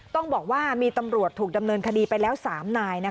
ต้องบอกว่ามีตำรวจถูกดำเนินคดีไปแล้ว๓นาย